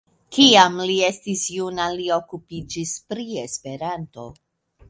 Kiam li estis juna, li okupiĝis pri Esperanto.